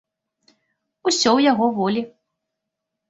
Усё ў яго волі.